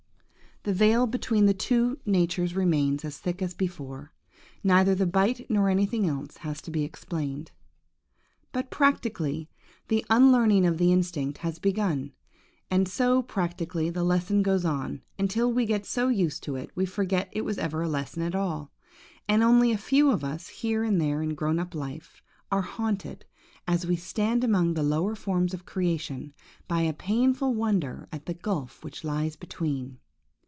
the veil between the two natures remains as thick as before; neither the bite, nor anything else, has been explained. But, practically, the unlearning of the instinct has begun, and so, practically, the lesson goes on, until we get so used to it, we forget it was ever a lesson at all; and only a few of us, here and there in grown up life, are haunted, as we stand among the lower forms of creation, by a painful wonder at the gulf which lies between.